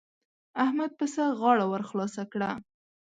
احمد پسه غاړه ور خلاصه کړه.